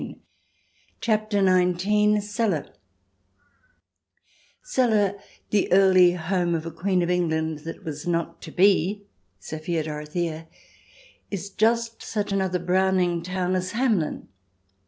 17 CHAPTER XIX CELLE Celle — the early home of a Queen of England that was not to be, Sophia Dorothea — is just such another Browning town as Hamelin.